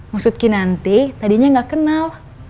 maksud kinanti tadinya gak kenal